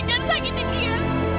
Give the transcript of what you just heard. jangan sakitin dia